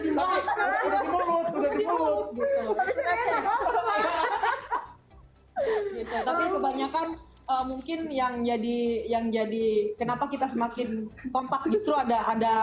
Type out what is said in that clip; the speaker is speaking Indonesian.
dibawa ke rumah itu kebanyakan mungkin yang jadi yang jadi kenapa kita semakin kompak itu ada ada